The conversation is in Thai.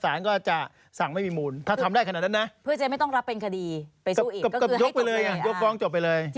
ธนาธนาธนาธนาธนาธนาธนาธนาธนาธนาธ